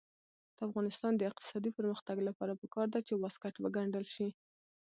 د افغانستان د اقتصادي پرمختګ لپاره پکار ده چې واسکټ وګنډل شي.